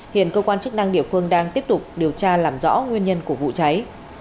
hiện cơ quan chức năng địa phương đang tiếp tục điều tra làm rõ nguyên nhân của vụ cháy